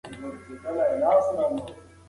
د دلارام بازار د ټرانزیټي اموالو یو مهم تمځای دی.